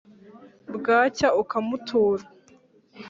bwacya ukamutura